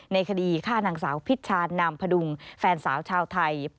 ในคดีฆ่านางสาวพิชชานามพดุงแฟนสาวชาวไทย